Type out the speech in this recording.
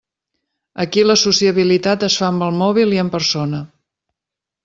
Aquí la sociabilitat es fa amb el mòbil i en persona.